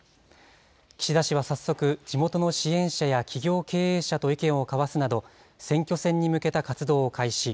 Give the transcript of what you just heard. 岸田氏は早速、地元の支援者や企業経営者と意見を交わすなど、選挙戦に向けた活動を開始。